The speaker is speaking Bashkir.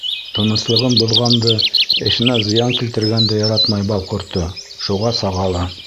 Тыныслығын боҙғанды, эшенә зыян килтергәнде яратмай бал ҡорто, шуға саға ла.